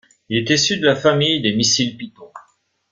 Il est issu de la famille des missiles Python.